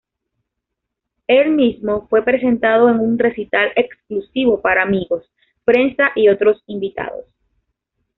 El mismo fue presentado en un recital exclusivo para amigos, prensa y otros invitados.